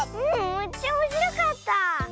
めっちゃおもしろかった！